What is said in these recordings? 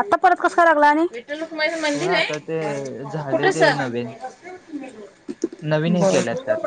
आता परत कस काय लागला आणि? रुक्माईचं हो मंदिर आहे आता ते झाले कुठं ते सर नवीन. नवीन हे बर केल्यात त्यात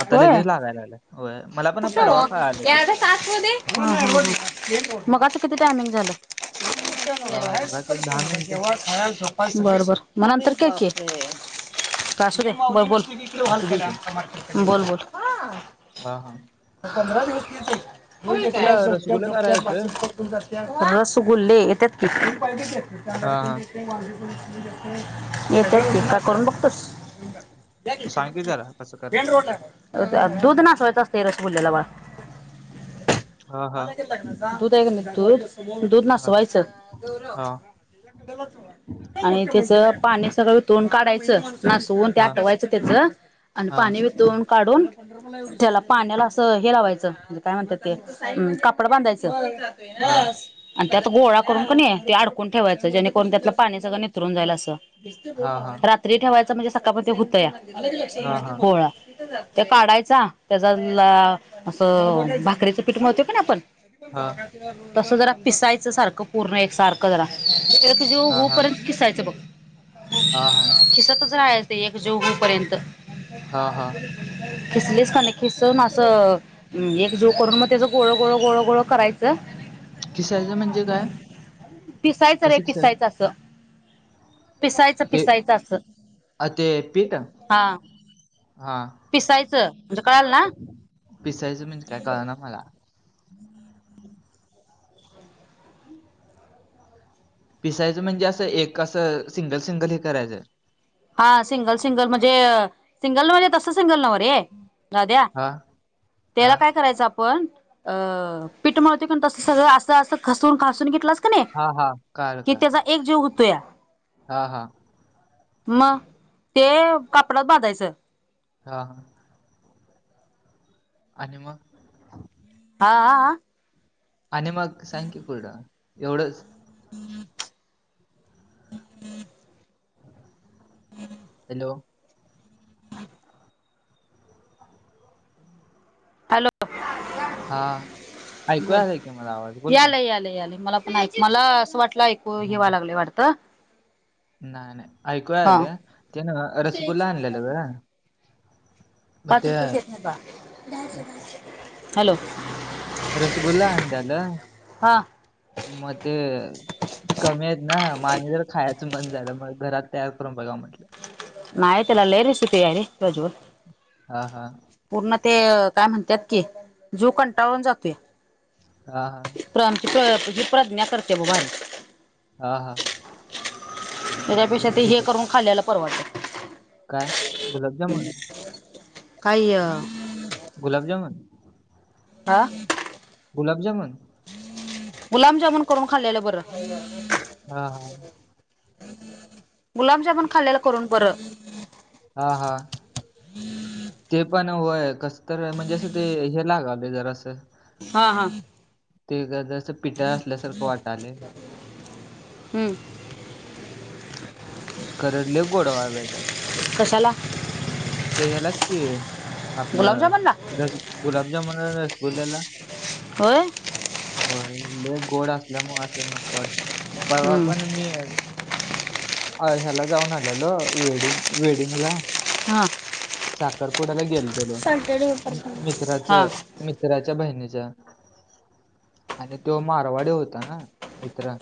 आता होय लगेच लागायला लागल्या होय. मला पण परवा कळालं ते. चाकू दे मग आता किती टायमिंग झालं? अं, मगाच दहा मिनिटं केव्हा खायल तो [unintelligible] बरं बर मग नंतर के कि काय असूदे बर बोल. असू दे की बोल बोल. हा हा. पंधरा दिवस तुला घेते झपट्यात रसगुल्ला कराय झपट्यात येतोय भाजी [unintelligible] रसगुल्ले येत्यात कि. हा हा येत्यात कि काय करून बघतोस? या कि कधी सांग की पण या जरा कसं मेन करतात रोड ला आहे [unintelligible] दुध नासवायचं असतंय रसगुल्याला बाळ हा हा [unintelligible] दूध हा नासवायचं हा आणि त्याच पाणी सगळं वीतरून काढायचं नासवून ते हा आटवायचं त्याच आणि हा पाणी वितून काढून त्याला पाण्याला असं हे लावायचं म्हणजे काय म्हणतात ते अ कापड बांधायचं. हा आणि त्यात गोळा करून कणी ते अडकून ठेवायचं जेणेकरून त्यातलं पाणी सगळं नितळुन जाईल असं. हा हा रात्री ठेवायच म्हणजे सकाळ पर्यंत ते होतया हा हा गोळा. ते काढायचा त्याचा असं भाकरीच पीठ मळतोय कनी आपण हा तस जरा पिसायचं सारखं पूर्ण एक सार जरा [unintelligible] त्याला जे हा हा होऊ हा पर्यंत खिसायचं बघ हा खिसतच रायच ते एकजीव होऊ पर्यंत हा हा खिसलीस कनी खिसवून असं एक जीव करून मग त्याच गोळ गोळ गोळ गोळ करायचं. किसायचं म्हणजे काय पिसायचं रे किसायचं अस पिसायचं ते पिसायचं अस अ, ते पीठ हा. हा पिसायचं कळाल ना पिसायचं म्हनजी काय कळना मला. पिसायचं म्हणजे असं एक असं सिंगल सिंगल हे करायचं. हा सिंगल सिंगल म्हणजे सिंगल म्हणजे तस सिंगल नवरे दाद्या हा हा त्याला काय करायचं आपण अ पीठ मळतय कणी तस सगळ असं असं खसवून खासून घेतलाच हा हा कळालं कळालं. एक जीव होतोया. हा हा. मग ते कापडात बांधायचं. हा आ. आणि मग हा हा आ आणि मग सांग की पुढं एवढंच हॅलो. [inaudible] [unintelligible] हॅलो हा ऐकू बोल आलाय की मला आवाज बोल की यालय यालय यालय मला नाही मला असं वाटलं ऐकू हा. हे व्हाय लागलय वाटत. नाही नाही ऐकू यालय ते नव रसगुल्ला आणलेला ग. मग पाच ते रुपयाची येत नाही बाल हॅलो. रसगुल्ला आणल्याल हा म ते कमी आहेत ना मग आणि जरा खायचं मन झालं मग घरात तयार करून बघा म्हटलं नाही त्याला लय रेसिपी हाये रे प्रज्वल. हा हा. पूर्ण ते काय म्हणतात की जीव कंटाळून जातोय. हा हा. [unintelligible] प्रज्ञा करते बग भारी. हा हा. त्याच्यापेक्षा मग ते हे तिकट करून खाल्ल्याला परवडतं. काय गुलाबजामुन काय गुलाबजामुन? हा. गुलाब जामुन? गुलाबजामुन करून खाल्लेलं बरं. हा हा. गुलाबजामन खाल्लेला करून बर. हा हा. ते पण होय कस तर म्हणजे असं ते हे लागालय जरासं हा हा. ते जजस पिठा असल्या सारख वाटालय. हम्म. खर लय गोडवा हाय बाई त्यात. कशाला? ते ह्यालाच की आपलं गुलाबजामुनला रस गुलाबजामुन रसगुल्याला होय होय ले गोड असल्यामुळे असे नको वा परवा हम्म पण मी अ ह्याला जाऊन आलेलो वेडिंग वेडिंगला. हां. साखरपुड्याला गेलतलो पेपर मित्राच हा मित्राच्या बहिणीच्या. आणि तो मारवाडी होता ना मित्र.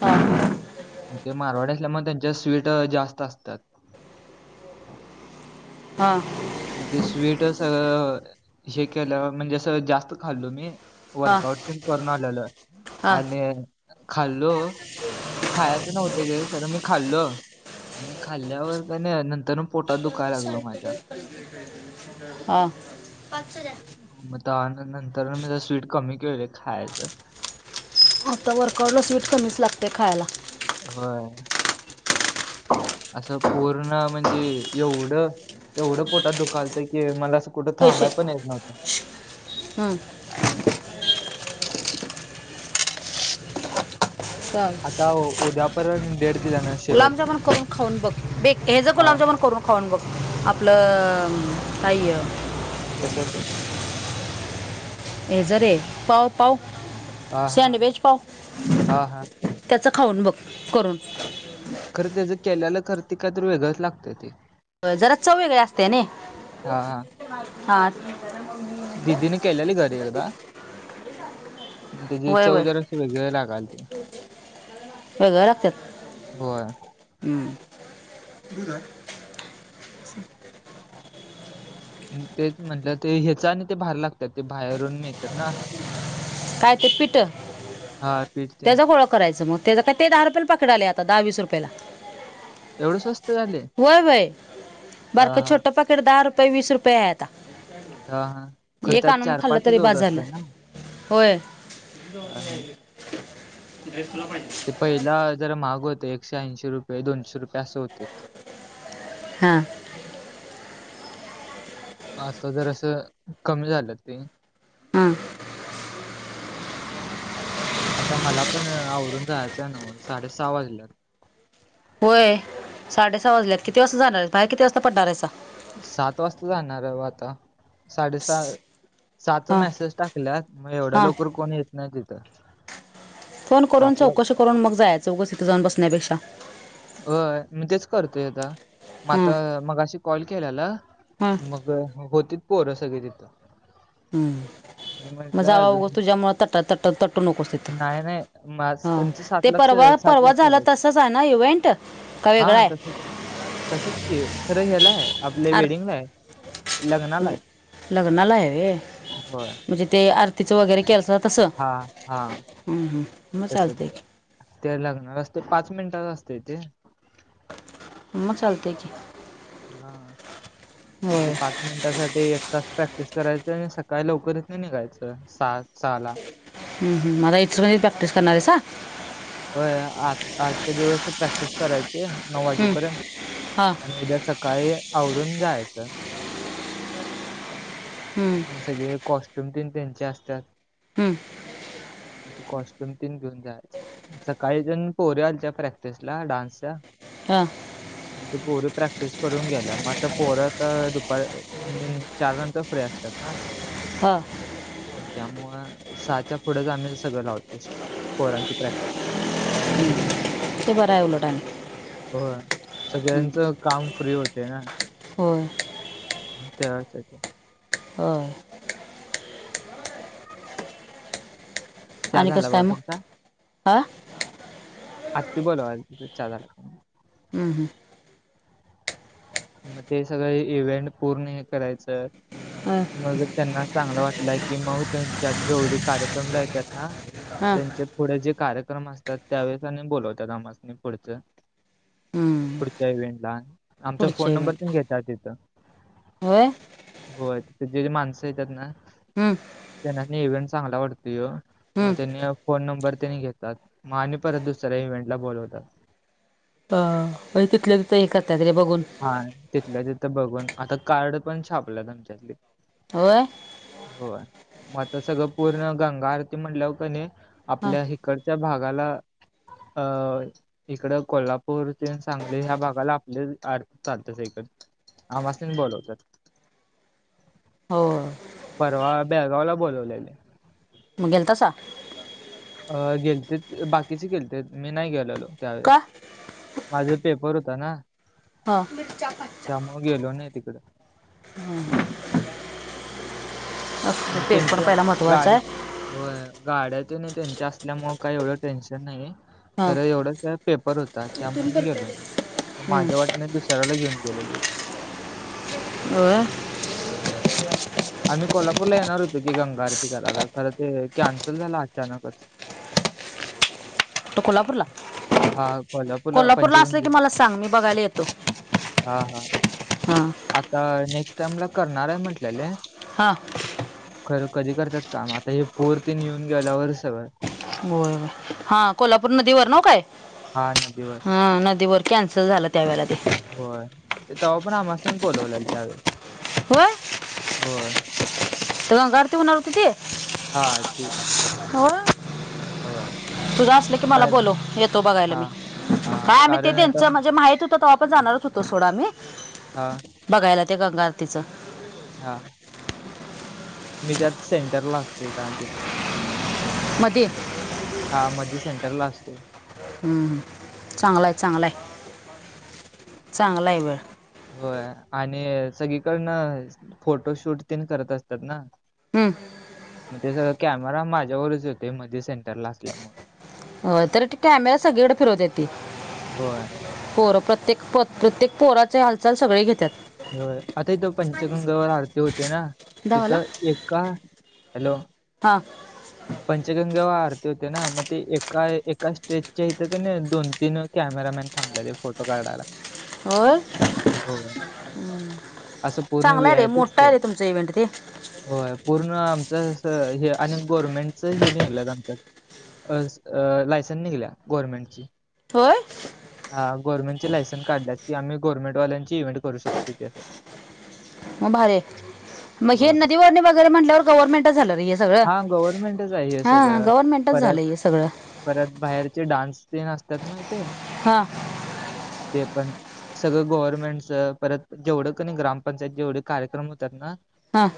हा मग ते मारवाडी असल्यामुळ त्यांच्यात स्वीट जास्त असतात. हा. मणजे स्वीट सगळं हे केलं म्हणजे अस जास्त खाल्लो मी. हा वर्कआउट तेन करून आलेलं हा आणि खाल्लो खायचं नव्हत ग खर मी खाल्लो. आणि खाल्ल्यावर कनी नंतर पोटात दुखायला लागलं माझ्या. हा पाच [unintelligible] मग त्या नंतर मी जरा स्वीट कमी केलं खायचं. आता वरकवलं स्वीट कमीच लागते खायला. होय. असं पूर्ण म्हणजे एवढं एवढं पोटात दुखालतं की मला असं कुठं पैसे थांबलाय पण येत नव्हं हम्म. आता उ- उद्या परत डेट दिल्या ना शेवटची. गुलाबजामन करून खाऊन बघ बेक हे ज हा गुलामजामून करून खाऊन बघ आपलं काय हे कशाचं? हे ज रे पाव पाव हा हा सँडविच पाव हा हा त्याचं खाऊन बघ करून. खरं त्याचं केल्याला खरं काय तर वेगळंच लागतंय ते. जरा चव वेगळे असते नयी. हा हा दिदीने केल्याली घरी एकदा. त्याची वय चव वय जरास वेगळी लागालती. वेगळ लागतात होय हम. तेच म्हंटलं ते ह्याचं आणि ते भारी लागतात ते बाहेरून मिळतात ना काय ते पिठ हा पीठ ते त्याचा गोळा करायचं मग. त्याच काय ते दहा रुपयाला पाकिट आले आता दहा वीस रुपयाला. एवढं स्वस्त झाले होय होय हा बारक हा छोट पाकिट दहा रुपये वीस रुपयात हा हा खरं एक त्यात आणून चार खाल्लं तरी पाचच होत बास झाल. असते ना होय. हा हा ते पहिला जरा महाग होत एकशे ऐंशी रुपये दोनशे रुपये असं होतीत. हा. आता जरासं कमी झालं ते. हां. आता मला पण आवरून जायचं आहे नव साडे सहा वाजल्यात. होय साडे साह वाजल्यात किती वाजता जाणार आहे बाहेर किती वाजता पडणार आहेसा. सात वाजता जाणार हाय बगा आता. साडे सहा सहा च हां मेसेज टाकल्यात मग एवढ्या हां लवकर कोण येत नाय तिथ. फोन करून चौकशी करून मग जायच उगच तिथे जाऊन बसण्यापेक्षा. होय मी तेच करतोय आता मग हां आता मगाशी कॉल केल्याला हां मग होतीत पोरं सगळी तिथ. हम् मग जावा उगच तुझ्यामुळे तट [unintelligible] तट तटू नकोस तिथ नाही नाही मा- हा त्यांचं सात ते लाख परवा सात परवा लाख झाला चालू होतं. तसच आहे ना इव्हेंट? काय हा वेगळ्याय? तसंच तसंच की खरं ह्यालाय आपले आर वेडिंग आहे लग्नाला आहे लग्नाला आहे वे होय. म्हणजे ते आरतीचं वगैरे केलता तसं हा हा हम हम मग चालतंय. त्यायला लागणार असते पाच मिनिटाच असते तेे. मग चालतंय की. हम होय पा [unintelligible] मिनिटासाठी एक तास प्रॅक्टिस करायच आणि सकाळी लवकरच निघायचं सहा सहा ला हम हम मला इथं वरी प्रॅक्टिस करणारे सा होय आज आजच्या दिवसच प्रॅक्टिस करायची ए नऊ हं, वाजेपर्यंत हां आणि उद्या सका काय आवरून जायचं हम्म मग सगळे कॉस्ट्यूम तीन त्यांचे असतात. हम्म कॉस्ट्युम तीन घेऊन जायचे सकाळीजण पोऱ्या आलत्या प्रॅक्टिस ला डान्सच्या हा ते पोरी प्रॅक्टिस करून गे ल्या मग आता पोरं त दुपारी [unintelligible] चार नंतर फ्री असतात ना हां त्यामुळं सहाच्या पुढेच आम्ही सगळं लावतो पोरांची प्रॅक्टिस ते बर आहे उलट आणि होय हं. सगळ्यांचं काम फ्री होते ना. होय तेव्हाचे ते हो य चहा आणि झाला कसं काय बघा तुमचा? मग आ आजचि बोल आ [unintelligible] हम् हम् मग ते सगळे इव्हेंट पूर्ण हे करायचं आहे. हां मग त्यांना चांगला वाटलंय की मग त्यांच्यात जेवढे कार्यक्रम ला येत्यात ना मग हां त्यांचेत पुढे जे कार्यक्रम असतात त्यावेळेस आणि बोलवतात आमासनी पुढचं हं पुढच्या इव्हेंटला आमचा पुढच्या फोन नंबर इव्हेंटला पण घेतलाय तिथं होय होय ते जे माणसं ये त्यांना हम्म त्यांना न्यु इव्हेंट चांगला वाटतुयो मग हम्म त्यांला फोन नंबर त्यांनी घेतात मग आणि परत दुसऱ्या इव्हेंटला बोलवतात. अ होय तिथल्या तिथं हे करत्यात रे बघून हा तिथल्या तिथं बघून आता कार्ड पण छापलं तुमच्यातली होय होय... म आता सगळं पूर्ण गंगा आरती म्हणल्या ओ का नाही ह आपल्या हिकडच्या भागाला अ इकडं कोल्हापूर ते सांगली ह्या भागाला आपले आर तात्याच्या इकड आमस् नि बोलवतात. होव परवा ब्याळगाव ला बोलवलेले मंग गेलतासा अ गेलथेत बाकीचे गेलथेत मी नाही गेलेलो त्यावेळेस का माझे पेपर होता ना हा [unintelligible] हा मग गेलो नाही तिकडं हम [inaudible] त्यांचच गाडी होय गाड्या तेनी त्यांच्या असल्यामुळे काही एवढं टेन्शन नाही हा खरं एवढंच पेपर होता त्यामुळे मी गेलो मग हम्म माझ्या वाटनीच दुसऱ्याला घेऊन गेल. होय? होय आम्ही कोल्हापूर कोल्हापूर ला येणार होतं की गंगा आरती करायला खरं ते कॅन्सल झालं अचानकच. तू कोल्हापूरला कोल्हापूरला असल की मला सांग मी बघायला येतो. हा हा हां आता नेक्स्ट टाईम ला करणार आहे म्हटलेले हा. खरं कधी करतात काय आता हे पोर तेनी येऊन गेल्यावरच सगळ. होय हा कोल्हापूर नदीवर नव काय? हा नदीवर. हा नदीवर कॅन्सल झाल त्यावेळेला ते. होय ते तवा पण आम्हासनीच बोलवलेल त्यावे होय? होय. तिथं गंगा आरती होणार होती ती? हा ते. होय? हो. तुझा असल की मला बोलव येतो बघायला मी हां. हा काय आम्ही ते कारण आता त्यांच म्हणजे माहित होत त तवा पण जाणारच होतो सोडा मी. हा. बघायला ते गंगा आरतीचं. हा मी त्यात सेंटरला असतोय काण तिथून मध्ये हा मध्ये सेंटर ला असतोय. हम्म चांगलाय चांगलाय चांगला आहे वेळ. होय आणि सगळीकडन फोटोशूट तेन करत असतात ना. हम. मग ते सगळं कॅमेरा माझ्यावरच येतोय मध्ये सेंटरला असल्यामुळ. हो तर कॅमेरा सगळीकडे फिरवता येते. होय पोर प्रत्येक प्रत्येक पोराचे हालचाल सगळे घेतात. हो आता इथं पंचगंगावर आरती होते ना धावाला तिथं एका हॅलो. हा. पंचगंगेव आरती होते ना मग ते एका एका स्टेजच्या इथं का नाही दोन तीन कॅमेरामॅन थांबलेले फोटो काढायला. होय? होय असं पूर्ण चांगला आहे रे व्हीआयपीच मोठा केलं आहे रे तुमच इव्हेंट ते. होय पूर्ण आमच अस हे आणि गवर्नमेंट हे निघलंत आमच्या लायसन निघल्या गव्हर्नमेंटची होय? हा गव्हर्मेंटची लायसन काढल्या ती आम्ही गव्हर्नमेंट वाल्यांची इव्हेंट करू शकतो [inaudible] [unintelligible] मग भावे, मग हे होय नदीवर्णी वगैरे म्हटल्यावर गव्हर्नमेंटच झालं र हे सगळं. हा गव्हर्नमेंटच आहे हे हा सगळं गव्हर्नमेंटच परत झालंय हे सगळं. परत बाहेरचे डान्स [unintelligible] असतात ना इथे. हा. ते पण सगळं गव्हर्नमेंटचं परत जेवढं तुम्ही ग्रामपंचायत जेवढे कार्यक्रम होतात ना, हं.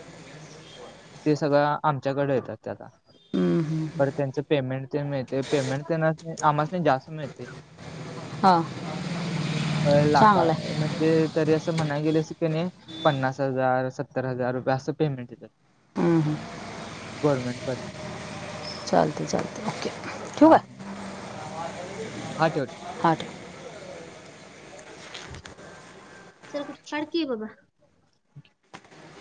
ते सगळं आमच्याकडे येतात ते आता. हम्म, हम्म. परत त्यांचं पेमेंट ते मिळते पेमेंट त्यांना अम्हासनी जास्त मिळते. हा [unintelligible] चांगलं आहे म्हणजे तरी असं म्हणाय गेलो असतो की नई पन्नास हजार, सत्तर हजार रुपये असं पेमेंट देत्यात. ह्म हम्म. गवर्नमेंट पण चालतंय चालतंय ओके. ठेवू का हा. हा ठेव आठ चल ऊठ शाळेत कि बाबा.